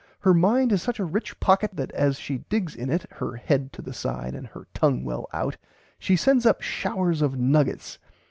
Her mind is such a rich pocket that as she digs in it (her head to the side and her tongue well out) she sends up showers of nuggets.